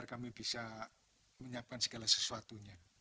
kami bisa menyiapkan segala sesuatunya